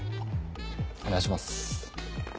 お願いします。